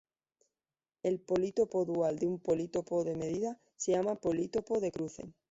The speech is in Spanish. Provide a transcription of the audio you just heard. El politopo dual de un politopo de medida se llama politopo de cruce.